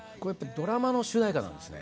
ドラマの主題歌なんですね。